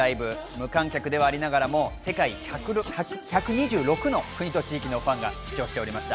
無観客でありながらも、世界１２６の国と地域のファンが視聴しておりました。